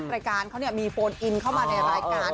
รายการเขามีโฟนอินเข้ามาในรายการ